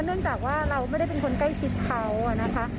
เนื่องจากว่าเราไม่ได้เป็นคนใกล้ชิดเขานะคะ